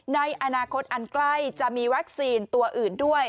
ในอนาคตอันใกล้จะมีวัคซีนตัวอื่นด้วย